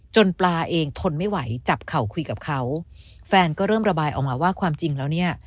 ปลาเองทนไม่ไหวจับเข่าคุยกับเขาแฟนก็เริ่มระบายออกมาว่าความจริงแล้วเนี่ย